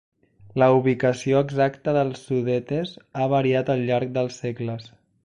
La ubicació exacta dels Sudetes ha variat al llarg dels segles.